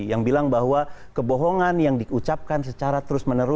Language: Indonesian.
yang bilang bahwa kebohongan yang diucapkan secara terus menerus